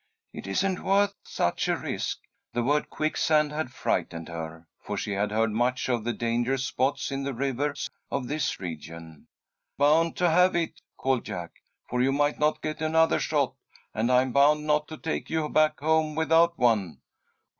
"It isn't worth such a risk." The word quicksand had frightened her, for she had heard much of the dangerous spots in the rivers of this region. "Bound to have it!" called Jack, "for you might not get another shot, and I'm bound not to take you back home without one."